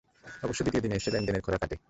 অবশ্য দ্বিতীয় দিনে এসে লেনদেনের খরা কাটে।